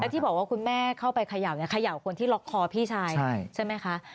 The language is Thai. ที่บอกว่าคุณแม่เข้าไปเขย่าเนี่ยเขย่าคนที่ล็อกคอพี่ชายใช่ไหมคะ